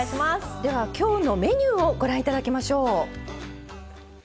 ではきょうのメニューをご覧頂きましょう。